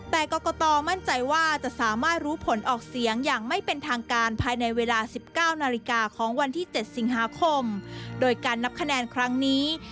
แต่กรกตมั่นใจว่าจะสามารถรู้ผลออกเสียงอย่างไม่เป็นทางการภายในเวลา๑๙นาฬิกาของวันที่๗สิงหาคมโดยการนับคะแนนครั้งนี้